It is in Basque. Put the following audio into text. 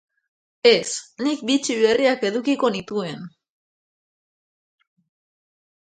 Ez, nik bitxi berriak edukiko nituen.